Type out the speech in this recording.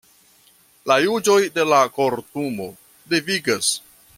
La juĝoj de la Kortumo devigas.